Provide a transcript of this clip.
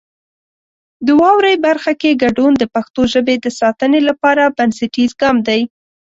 د واورئ برخه کې ګډون د پښتو ژبې د ساتنې لپاره بنسټیز ګام دی.